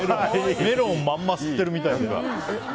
メロンをまんま吸ってるみたい。